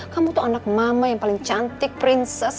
kamu tuh anak mama yang paling cantik princess